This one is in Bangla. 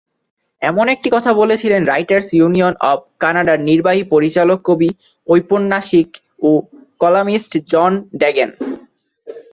এমন একটি কথা বলেছিলেন রাইটার্স ইউনিয়ন অব কানাডার নির্বাহী পরিচালক কবি, ঔপন্যাসিক ও কলামিস্ট জন ডেগেন।